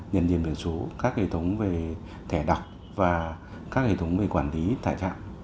nhận diện biển số các hệ thống về thẻ đọc và các hệ thống về quản lý tại trạm